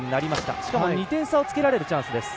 しかも、２点差をつけられるチャンス。